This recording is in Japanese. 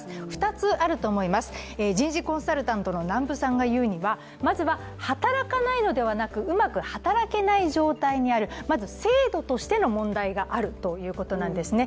２つあると思います、人事コンサルタントの難波さんが言うにはまずは、働かないのではなくうまく働けない状態にある制度としての問題があるということなんですね。